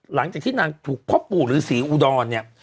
หลังจากที่นางถูกพ่อปู่ฤษีอุดรเนี่ย